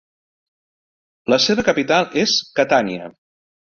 La seva capital és Catània.